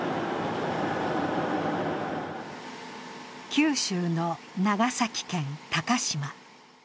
九州の長崎県鷹島。